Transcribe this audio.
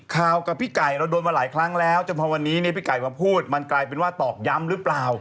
กับพี่ไก่เราโดนมาหลายครั้งแล้วจนพอวันนี้พี่ไก่มาพูดมันกลายเป็นว่าตอกย้ำหรือเปล่า